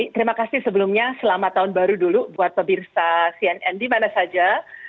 terima kasih sebelumnya selamat tahun baru dulu buat pemirsa cnn dimana saja